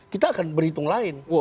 kita akan berhitung lain